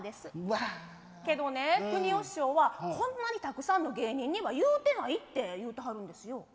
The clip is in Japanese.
けどねくにお師匠はこんなにたくさんの芸人には言うてないって言うてはるんですよ。